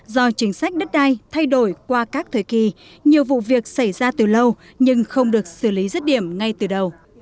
do chính sách đất đai thay đổi qua các thời kỳ nhiều vụ việc xảy ra từ lâu nhưng không được xử lý rứt điểm ngay từ đầu